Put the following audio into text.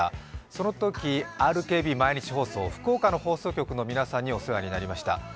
そのとき、ＲＫＢ毎日放送福岡の放送局の皆さんにお世話になりました。